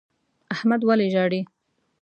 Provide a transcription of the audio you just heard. احمد ولي ژاړي؟